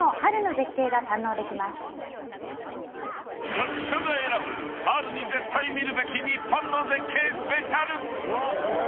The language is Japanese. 学者が選ぶ、春に絶対見るべき日本の絶景スペシャル。